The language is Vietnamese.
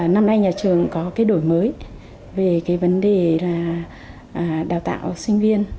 năm nay nhà trường có cái đổi mới về cái vấn đề là đào tạo sinh viên